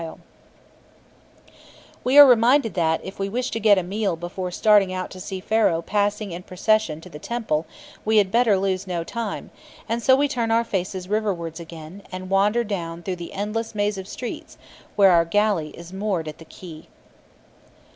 Pages 74, 75] We are reminded that, if we wish to get a meal before starting out to see Pharaoh passing in procession to the temple, we had better lose no time, and so we turn our faces riverwards again, and wander down through the endless maze of streets to where our galley is moored at the quay.